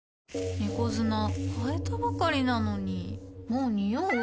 猫砂替えたばかりなのにもうニオう？